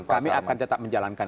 kami akan tetap menjalankan